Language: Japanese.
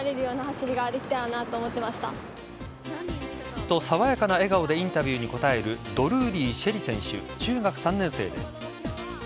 と、爽やかな笑顔でインタビューに答えるドルーリー朱瑛里選手中学３年生です。